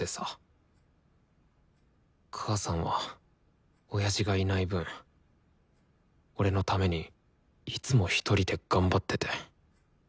母さんは親父がいない分俺のためにいつもひとりで頑張ってて。